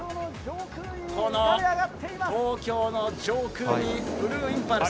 この東京の上空にブルーインパルス。